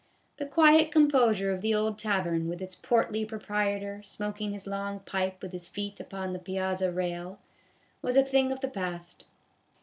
The quiet composure of the old tavern, with its portly proprietor smoking his long pipe with his feet upon the piazza rail, was a thing of the past.